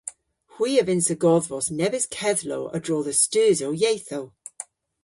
Hwi a vynnsa godhvos nebes kedhlow a-dro dhe steusow yethow.